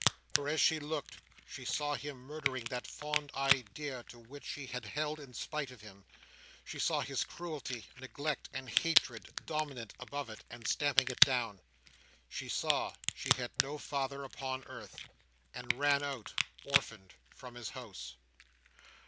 For as she looked, she saw him murdering that fond idea to which she had held in spite of him. She saw his cruelty, neglect, and hatred dominant above it, and stamping it down. She saw she had no father upon earth, and ran out, orphaned, from his house.